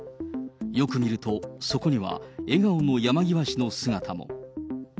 よく見ると、そこには笑顔の山際氏の姿も。